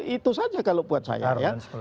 itu saja kalau buat saya ya